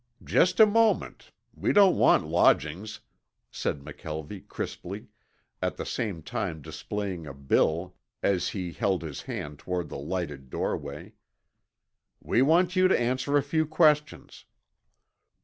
"Just a moment. We don't want lodgings," said McKelvie crisply, at the same time displaying a bill as he held his hand toward the lighted doorway. "We want you to answer a few questions."